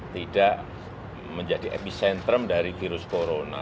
tidak menjadi epicentrum dari virus corona